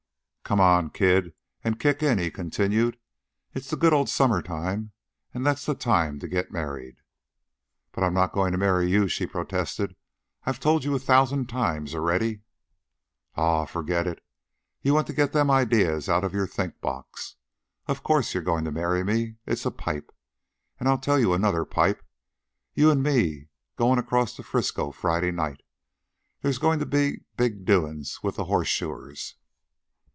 "Come on, kid, an' kick in," he continued. "It's the good old summer time, an' that's the time to get married." "But I'm not going to marry you," she protested. "I've told you a thousand times already." "Aw, forget it. You want to get them ideas out of your think box. Of course, you're goin' to marry me. It's a pipe. An' I'll tell you another pipe. You an' me's goin' acrost to Frisco Friday night. There's goin' to be big doin's with the Horseshoers."